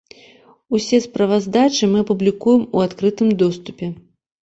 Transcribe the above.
Усе справаздачы мы апублікуем у адкрытым доступе.